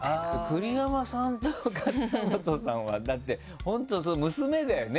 栗山さんと桂本さんはだって本当娘だよね